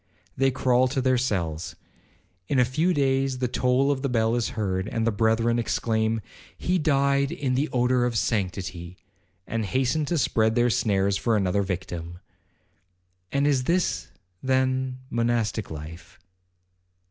They crawl to their cells,—in a few days the toll of the bell is heard, and the brethren exclaim, 'He died in the odour of sanctity,' and hasten to spread their snares for another victim.' 'And is this, then, monastic life?'